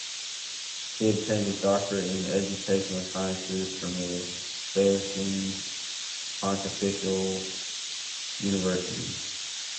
He obtained his doctorate in educational sciences from the Salesian Pontifical University.